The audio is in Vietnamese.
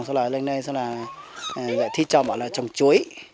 sau đó lên đây sau đó thích cho bọn là trồng chuối